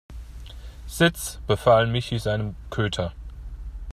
Sitz!, befahl Michi seinem Köter.